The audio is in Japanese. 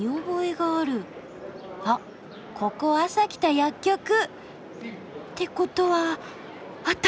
あっここ朝来た薬局！ってことはあった！